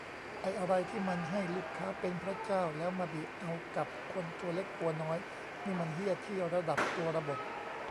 ไอ้อะไรที่มันให้ลูกค้าเป็นพระเจ้าแล้วมาบีบเอากับคนตัวเล็กตัวน้อย นี่มันเหี้ยที่ระดับตัวระบบ